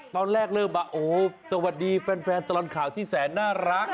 ตอนแรกเริ่มมาโอ้สวัสดีแฟนตลอดข่าวที่แสนน่ารัก